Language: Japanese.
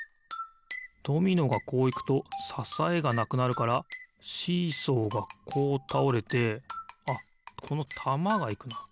ドミノがこういくとささえがなくなるからシーソーがこうたおれてあっこのたまがいくな。